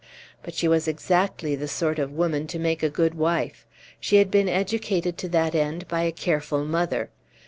But she was exactly the sort of woman to make a good wife. She had been educated to that end by a careful mother.